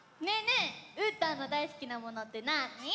えうーたんのだいすきなものってなあに？